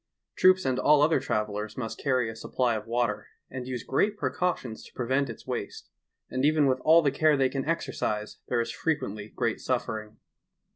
Troops and all other travelers must earry a supply of water, and use great preeautions to prevent its waste; and even with all the eare they jcan exereise there is frequently great suffering.